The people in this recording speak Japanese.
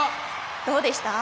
どうでした？